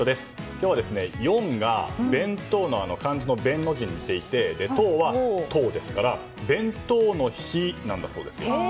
今日は４が弁当の漢字の弁の字に似ていて１０は「とう」ですから弁当の日なんですよ。